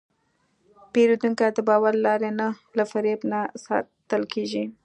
پیرودونکی د باور له لارې نه، له فریب نه ساتل کېږي.